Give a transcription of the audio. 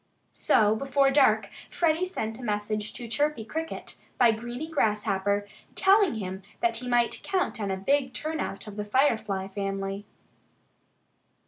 So before dark Freddie sent a message to Chirpy Cricket by Greenie Grasshopper, telling him that he might count on a big turnout of the Firefly family.